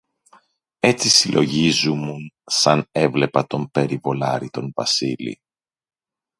Έτσι συλλογίζουμουν σαν έβλεπα τον περιβολάρη τον Βασίλη